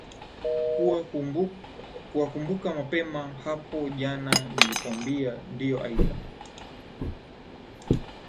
kuwa kumbuka mapema hapo jana nilikwambia ndiyo aidha